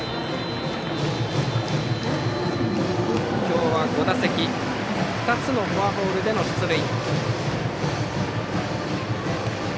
今日は５打席２つのフォアボールでの出塁。